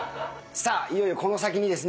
さあいよいよこの先にですね